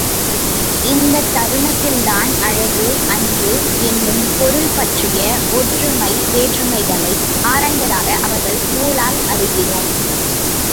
இந்தத் தருணத்தில்தான் அழகு, அன்பு என்னும் பொருள்பற்றிய ஒற்றுமை வேற்றுமைகளை ஆராய்ந்ததாக அவர்கள் நூலால் அறிகிறோம்.